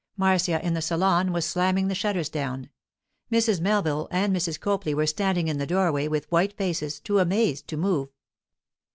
Marcia, in the salon, was slamming the shutters down. Mrs. Melville and Mrs. Copley were standing in the doorway with white faces, too amazed to move.